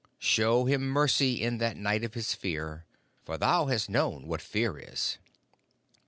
Show him mercy in that night of his fear, for thou hast known what Fear is.'